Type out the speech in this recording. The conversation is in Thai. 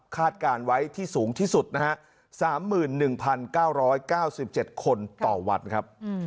การไว้ที่สูงที่สุดนะฮะ๓๑๙๙๗คนต่อวันครับ